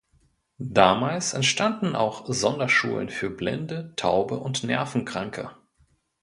Damals entstanden auch Sonderschulen für Blinde, Taube und Nervenkranke.